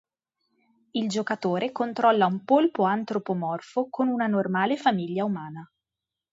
Il giocatore controlla un polpo antropomorfo con una normale famiglia umana.